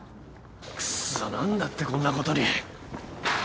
クッソ何だってこんなことに。